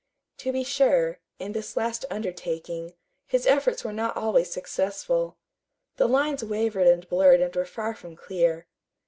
To be sure, in this last undertaking, his efforts were not always successful. The lines wavered and blurred and were far from clear.